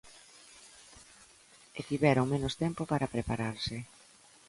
E tiveron menos tempo para prepararse.